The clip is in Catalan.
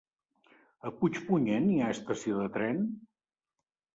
A Puigpunyent hi ha estació de tren?